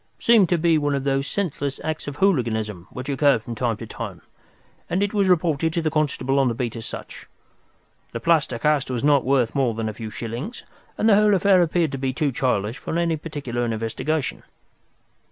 It seemed to be one of those senseless acts of hooliganism which occur from time to time, and it was reported to the constable on the beat as such. The plaster cast was not worth more than a few shillings, and the whole affair appeared to be too childish for any particular investigation.